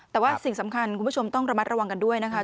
แต่ว่าสิ่งสำคัญคุณผู้ชมต้องระมัดระวังกันด้วยนะคะ